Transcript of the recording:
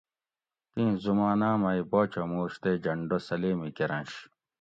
تیں زمانہ مئ باچہ مورش تے جھنڈہ سلیمی کۤرںش